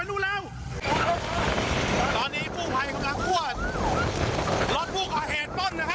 เดี๋ยวมันก็จอด